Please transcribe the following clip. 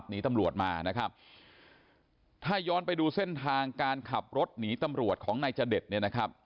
หนีตำรวจมานะครับถ้าย้อนไปดูเส้นทางการขับรถหนีตำรวจของนายจเดชเนี่ยนะครับ